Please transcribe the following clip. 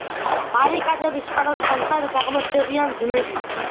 ბარიკადების სხვადასხვა მხარეს აღმოჩნდებიან ძმები.